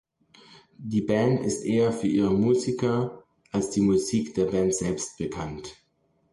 Die Band ist eher für ihre Musiker als die Musik der Band selbst bekannt.